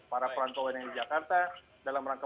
para perantauan yang di jakarta